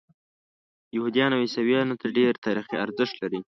یهودیانو او عیسویانو ته ډېر تاریخي ارزښت لري.